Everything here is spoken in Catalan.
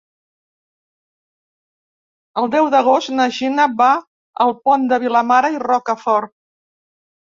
El deu d'agost na Gina va al Pont de Vilomara i Rocafort.